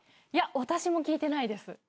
いや私も聞いてないです。